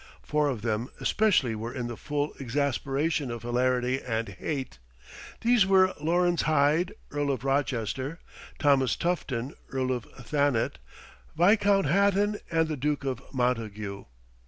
Four of them especially were in the full exasperation of hilarity and hate. These were Laurence Hyde, Earl of Rochester; Thomas Tufton, Earl of Thanet; Viscount Hatton; and the Duke of Montagu.